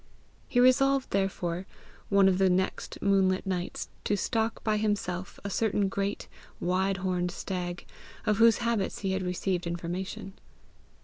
He resolved, therefore, one of the next moonlit nights, to stalk by himself a certain great, wide horned stag, of whose habits he had received information.